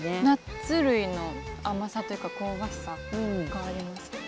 ナッツ類の甘さというか香ばしさがあります。